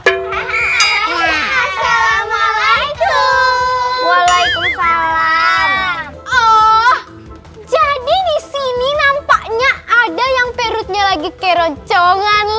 assalamualaikum waalaikumsalam oh jadi disini nampaknya ada yang perutnya lagi ke roncongan